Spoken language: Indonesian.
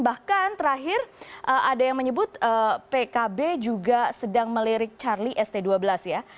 bahkan terakhir ada yang menyebut pkb juga sedang melirik charlie st dua belas ya